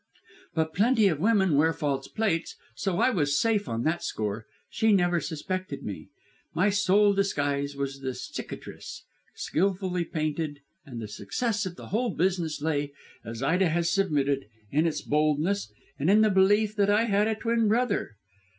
But plenty of women wear false plaits, so I was safe on that score: she never suspected me. My sole disguise was the cicatrice, skilfully painted, and the success of the whole business lay as Ida has submitted in its boldness and in the belief that I had a twin brother.